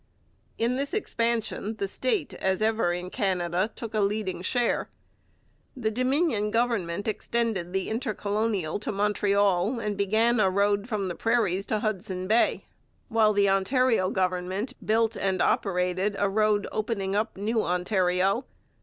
In this expansion the state, as ever in Canada, took a leading share. The Dominion Government extended the Intercolonial to Montreal and began a road from the prairies to Hudson Bay, while the Ontario Government built and operated a road opening up New Ontario.